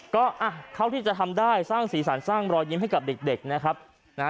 ก็อ่ะเท่าที่จะทำได้สร้างสีสันสร้างรอยยิ้มให้กับเด็กนะครับนะฮะ